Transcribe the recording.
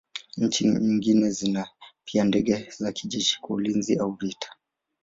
Nchi nyingi zina pia ndege za kijeshi kwa ulinzi au vita.